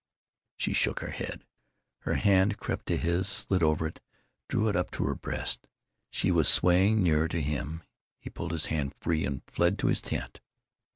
She shook her head. Her hand crept to his, slid over it, drew it up to her breast. She was swaying nearer to him. He pulled his hand free and fled to his tent.